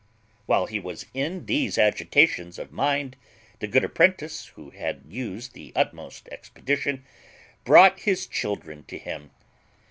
While he was in these agitations of mind the good apprentice, who had used the utmost expedition, brought his children to him.